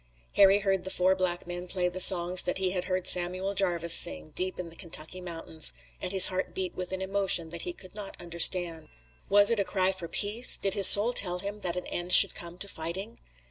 Harry heard the four black men play the songs that he had heard Samuel Jarvis sing, deep in the Kentucky mountains, and his heart beat with an emotion that he could not understand. Was it a cry for peace? Did his soul tell him that an end should come to fighting?